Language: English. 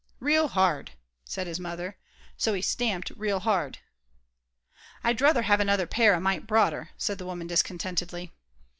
"Real hard," said his mother. So he stamped real hard. "I'd druther have another pair a mite broader," said the woman, discontentedly.